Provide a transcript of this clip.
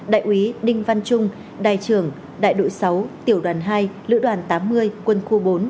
đại úy đinh văn trung đài trưởng đại đội sáu tiểu đoàn hai lữ đoàn tám mươi quân khu bốn